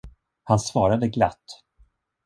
Han svarade glatt.